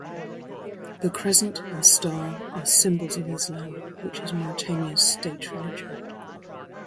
The crescent and star are symbols of Islam, which is Mauritania's state religion.